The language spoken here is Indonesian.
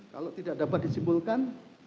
kalau tidak dapat disimpulkan